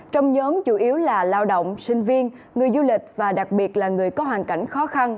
trong nhóm chủ yếu là lao động sinh viên người du lịch và đặc biệt là người có hoàn cảnh khó khăn